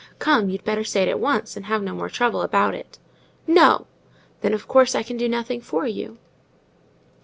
Come! you'd better say it at once, and have no more trouble about it." "No." "Then, of course, I can do nothing for you."